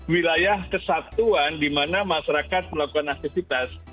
wilayah kesatuan di mana masyarakat melakukan aktivitas